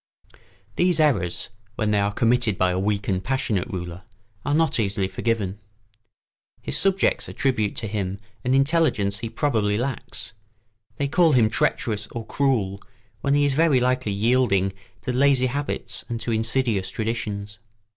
] These errors, when they are committed by a weak and passionate ruler, are not easily forgiven. His subjects attribute to him an intelligence he probably lacks; they call him treacherous or cruel when he is very likely yielding to lazy habits and to insidious traditions.